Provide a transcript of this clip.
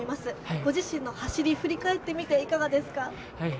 ご自身の走り、振り返ってみていかがですか。